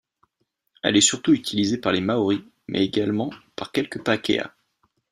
Elle est surtout utilisée par les Maori, mais également par quelques Pakeha.